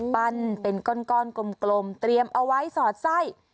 ปั้นเป็นก้อนกลมเตรียมเอาไว้สอดไส้